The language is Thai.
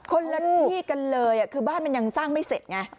คนละที่กันเลยคือบ้านมันยังสร้างไม่เสร็จไง